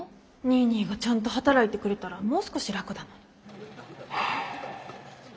ニーニーがちゃんと働いてくれたらもう少し楽だのに。